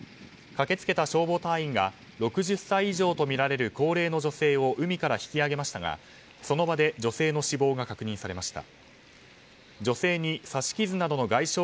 駆け付けた消防隊員が６０歳以上とみられる高齢の女性を海から引き揚げましたがその場で女性の死亡が確認されました。